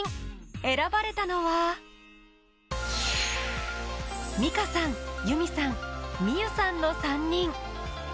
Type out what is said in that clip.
選ばれたのはミカさん、結海さんｍｉｙｏｕさんの３人。